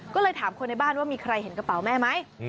ก็เลยถามคนในบ้านว่ามีใครเห็นกระเป๋าแม่ไหม